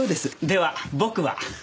では僕は。